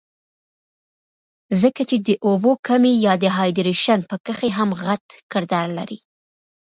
ځکه چې د اوبو کمے يا ډي هائيډرېشن پکښې هم غټ کردار لري